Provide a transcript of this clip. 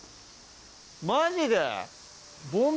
マジで？